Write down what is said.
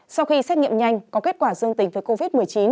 sau khi xét nghiệm nhanh có kết quả dương tính với covid một mươi chín